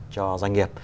cho doanh nghiệp